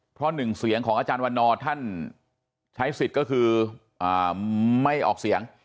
เพราะหนึ่งเสียงของอาจารย์วันนอร์ท่านใช้สิทธิ์ก็คือไม่ออกเสียง